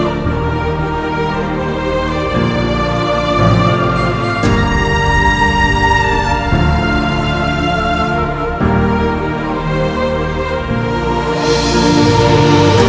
kalian harus bekerja